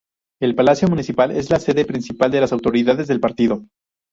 El Palacio Municipal es la sede principal de las autoridades del partido.